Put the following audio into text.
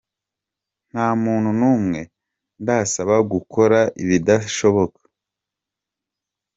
Nta muntu numwe ndasaba gukora ibidashoboka.